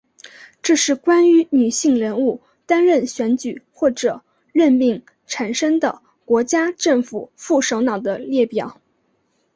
这是关于女性人物担任选举或者任命产生的国家政府副首脑的列表。